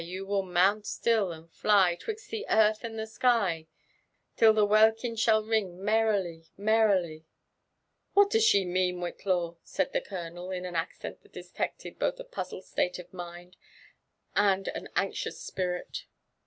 You will mount atiU, and fly 'Twixt the earth and the sky, Tin the welkin shall ring meirily, merrily !*" Whnt does she mean, Whitlaw ?" said the colo&el, in an aceeot that denoted both a puzzled state of mind and ao anxious spirit.